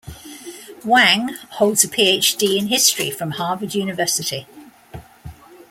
Wang holds a Ph.D. in history from Harvard University.